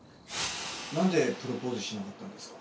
なんでプロポーズしなかったんですか？